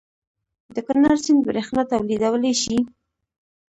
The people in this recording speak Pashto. د کنړ سیند بریښنا تولیدولی شي؟